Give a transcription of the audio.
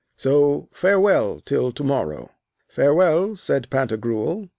So farewell till to morrow! Farewell, said Pantagruel.